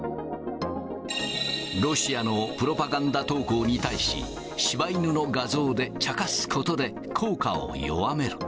ロシアのプロパガンダ投稿に対し、柴犬の画像でちゃかすことで、効果を弱める。